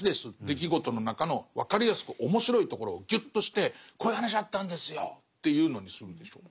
出来事の中の分かりやすく面白いところをギュッとしてこういう話あったんですよっていうのにするんでしょ。